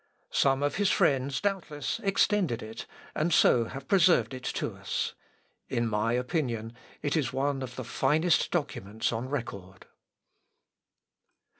Some of his friends doubtless extended it, and so have preserved it to us. In my opinion, it is one of the finest documents on record.